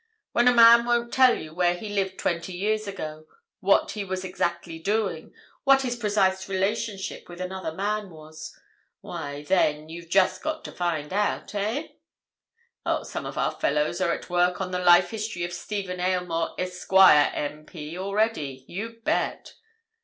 When a man won't tell you where he lived twenty years ago, what he was exactly doing, what his precise relationship with another man was—why, then, you've just got to find out, eh? Oh, some of our fellows are at work on the life history of Stephen Aylmore, Esq., M.P., already—you bet!